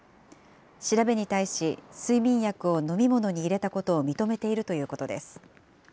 調べに対し、睡眠薬を飲み物に入れたことを認めているということです。